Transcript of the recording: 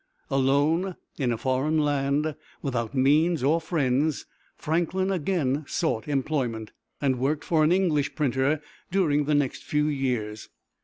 Alone in a foreign land, without means or friends, Franklin again sought employment, and worked for an English printer during the next few years.